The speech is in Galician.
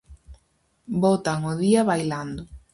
Botan o día bailando.